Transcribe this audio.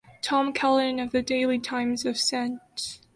Tom Callinan of the "Daily Times" of St.